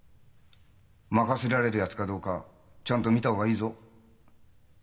任せられるやつかどうかちゃんと見た方がいいぞ。